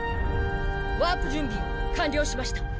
ワープ準備完了しました。